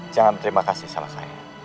jangan terima kasih sama saya